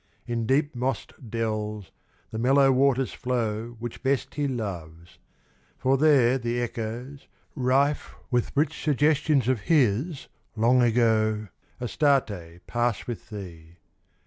In deep mossed dells the mellow waters flow Which best he loves; for there the echoes, rife With rich suggestions of his long ago, Astarte, pass with thee!